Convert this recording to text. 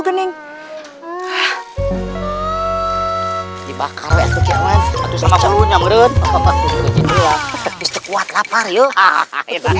tegis teguat lapar yuk